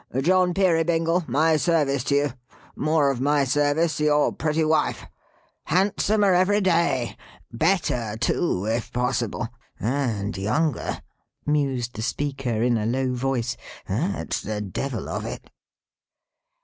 John Peerybingle, my service to you. More of my service to your pretty wife. Handsomer every day! Better too, if possible! And younger," mused the speaker, in a low voice; "that's the Devil of it."